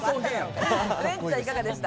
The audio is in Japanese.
ウエンツさん、いかがでした？